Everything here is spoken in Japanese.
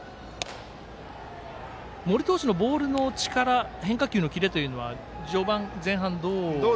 森投手のボールの力変化球のキレというのは序盤、前半、どうですか？